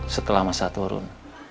setelah masa turun